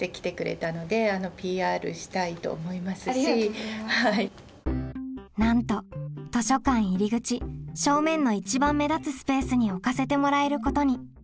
でそれをのなんと図書館入り口正面の一番目立つスペースに置かせてもらえることに。